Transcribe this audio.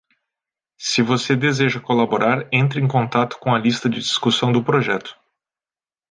Se você deseja colaborar, entre em contato com a lista de discussão do projeto.